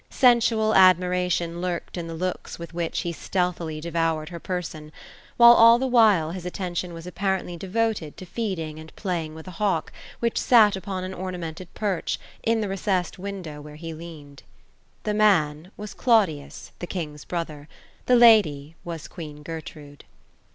Sensual admiration lurked in the looks with which he stealthily devoured her person, while all the while, his attention was apparently devoted to feeding and playing with a hawk, which sat upon an ornamented perch, in the recessed window where he leaned. The man, was Claudius, the king's brother. The lady, was queen Gertrude.